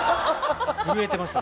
震えてました。